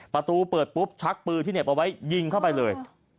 ประตูเปิดปุ๊บชักปืนที่เหน็บเอาไว้ยิงเข้าไปเลย